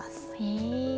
へえ。